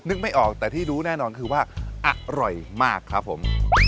ไม่ออกแต่ที่รู้แน่นอนคือว่าอร่อยมากครับผม